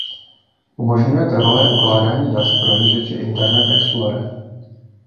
Umožňuje trvalé ukládání dat v prohlížeči Internet Exporer.